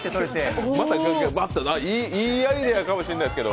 いいアイデアかもしれないけど